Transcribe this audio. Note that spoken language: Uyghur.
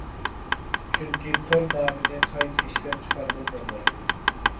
چۈنكى تور نامىنى قايتا ئىشلەپ چىقارغىلى بولمايدۇ.